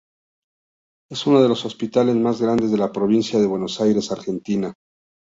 Es uno de los hospitales más grandes de la provincia de Buenos Aires, Argentina.